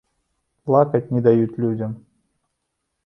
Плакаць не даюць людзям!